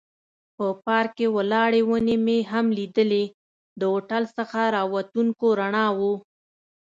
په پارک کې ولاړې ونې مې هم لیدلې، د هوټل څخه را وتونکو رڼاوو.